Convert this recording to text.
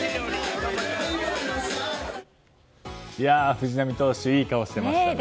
藤浪投手、いい顔してましたね。